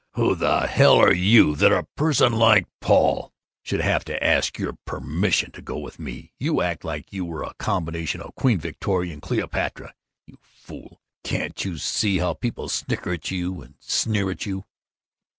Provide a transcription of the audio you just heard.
Who the hell are you that a person like Paul should have to ask your permission to go with me? You act like you were a combination of Queen Victoria and Cleopatra. You fool, can't you see how people snicker at you, and sneer at you?"